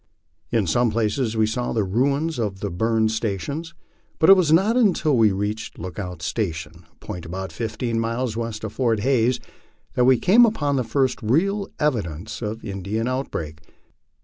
In some places we saw the ruins of the burned stations, but it was not until we reached Lookout Station, a point about fifteen miles west of Fort Hays, that we came upon the first real evidences of an In dian outbreak.